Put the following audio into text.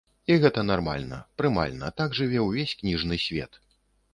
І гэта нармальна, прымальна, так жыве ўвесь кніжны свет.